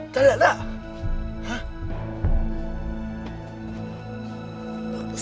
kau lihat tak